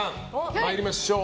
参りましょう。